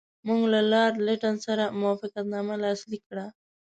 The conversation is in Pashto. موږ له لارډ لیټن سره موافقتنامه لاسلیک کړه.